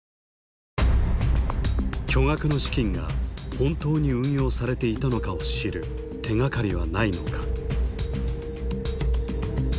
巨額の資金が本当に運用されていたのかを知る手がかりはないのか。